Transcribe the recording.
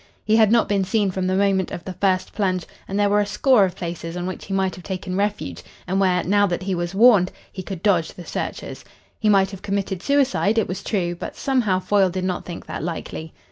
He had not been seen from the moment of the first plunge, and there were a score of places on which he might have taken refuge, and where, now that he was warned, he could dodge the searchers. He might have committed suicide, it was true, but somehow Foyle did not think that likely.